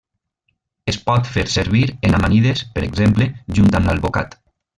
Es pot fer servir en amanides per exemple junt amb l'alvocat.